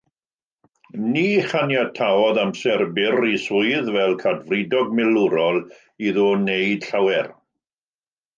Ni chaniataodd amser byr ei swydd fel cadfridog milwrol iddo wneud llawer.